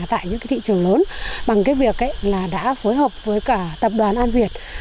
tại những thị trường lớn bằng việc đã phối hợp với tập đoàn an việt